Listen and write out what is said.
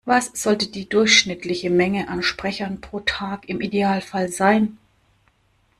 Was sollte die durchschnittliche Menge an Sprechern pro Tag im Idealfall sein?